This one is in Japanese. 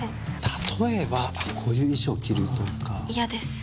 例えばこういう衣装を着るとか嫌です